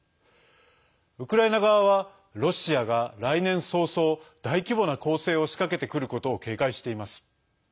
ウクライナ側はロシアが来年早々大規模な攻勢を仕掛けてくることを警戒しています。